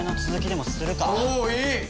もういい！